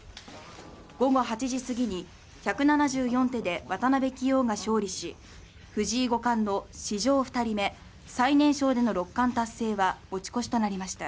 午後８時過ぎに１７４手で渡辺棋王が勝利し、藤井五冠の史上２人目、最年少での六冠達成は持ち越しとなりました。